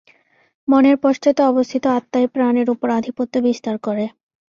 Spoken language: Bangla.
মনের পশ্চাতে অবস্থিত আত্মাই প্রাণের উপর আধিপত্য বিস্তার করে।